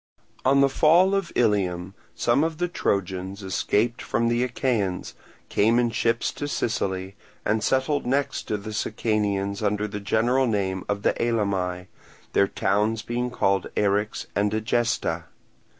On the fall of Ilium, some of the Trojans escaped from the Achaeans, came in ships to Sicily, and settled next to the Sicanians under the general name of Elymi; their towns being called Eryx and Egesta.